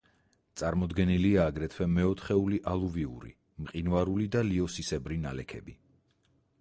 წარმოდგენილია აგრეთვე მეოთხეული ალუვიური, მყინვარული და ლიოსისებრი ნალექები.